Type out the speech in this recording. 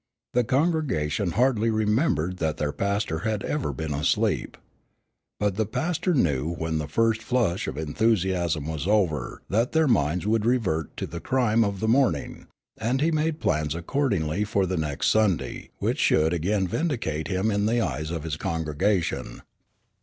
The congregation hardly remembered that their pastor had ever been asleep. But the pastor knew when the first flush of enthusiasm was over that their minds would revert to the crime of the morning, and he made plans accordingly for the next Sunday which should again vindicate him in the eyes of his congregation.